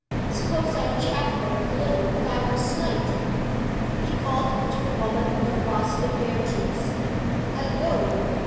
"Suppose I 'chaff' her a little about her slate?" He called to the woman across the pear trees. "Hullo!"